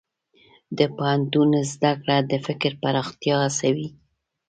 د پوهنتون زده کړه د فکر پراختیا هڅوي.